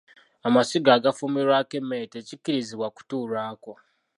Amasiga agafumbirwako emmere tekikkirizibwa kutuulwako.